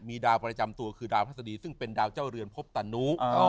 มีดาวประจำตัวคือดาวพระศดีซึ่งเป็นดาวเจ้าเรือนพบตานุ